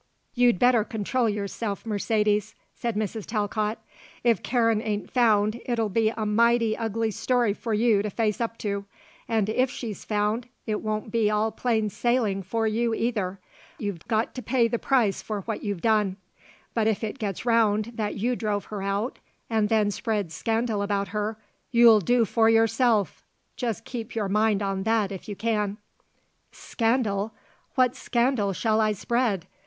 "You'd better control yourself, Mercedes," said Mrs. Talcott. "If Karen ain't found it'll be a mighty ugly story for you to face up to, and if she's found it won't be all plain sailing for you either; you've got to pay the price for what you've done. But if it gets round that you drove her out and then spread scandal about her, you'll do for yourself just keep your mind on that if you can." "Scandal! What scandal shall I spread?